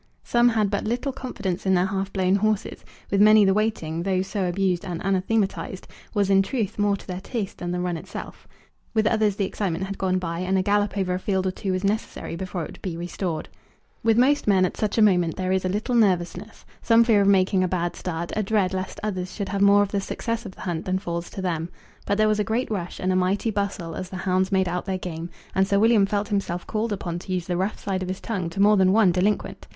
Some had but little confidence in their half blown horses; with many the waiting, though so abused and anathematized, was in truth more to their taste than the run itself; with others the excitement had gone by, and a gallop over a field or two was necessary before it would be restored. With most men at such a moment there is a little nervousness, some fear of making a bad start, a dread lest others should have more of the success of the hunt than falls to them. But there was a great rush and a mighty bustle as the hounds made out their game, and Sir William felt himself called upon to use the rough side of his tongue to more than one delinquent.